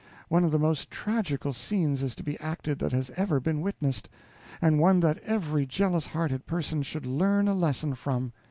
One of the most tragical scenes is to be acted that has ever been witnessed, and one that every jealous hearted person should learn a lesson from.